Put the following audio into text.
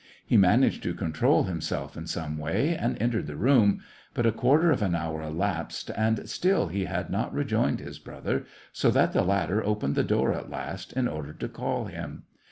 He managed to control himself in some way, and entered the room ; but a quarter of. an hour elapsed, and still he had not rejoined his brother, so that the latter opened the door at last, in order to call him.